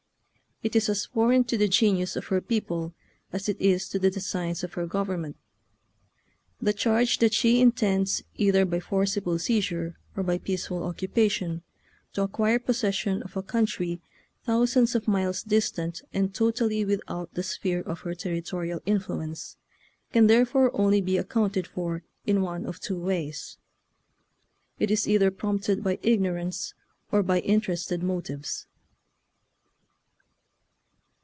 It is as foreign to the genius of her people as it is to the designs of her government. The charge that she in tends, either by forcible seizure or by peaceful occupation, to acquire possession of a country thousands of miles distant and totally without the sphere of her ter ritorial influence, can therefore only be accounted for in one of two ways. It is either prompted by ignorance or by inter ested motives.